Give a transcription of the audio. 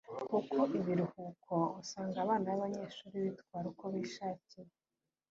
kuko ibiruhuko usanga abana b’abanyeshuri bitwara uko bishakiye